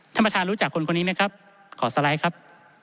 ท่านประธานรู้จักคนคนนี้ไหมครับขอสไลด์ครับ